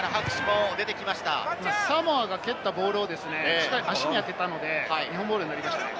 サモアが蹴ったボールをしっかり足に当てたので、日本ボールになりましたね。